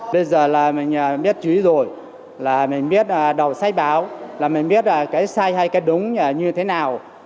bây giờ là mình biết chữ rồi là mình biết đọc sách báo là mình biết cái sai hay cái đúng như thế nào